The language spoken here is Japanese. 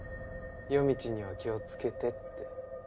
「夜道には気をつけて」って。